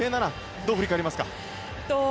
どう振り返りますか。